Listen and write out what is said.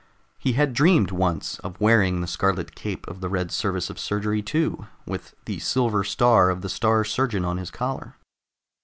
He had dreamed, once, of wearing the scarlet cape of the Red Service of Surgery too, with the silver star of the Star Surgeon on his collar.